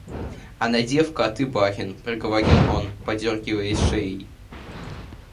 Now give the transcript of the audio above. Она девка, а ты барин, — проговорил он, подергиваясь шеей.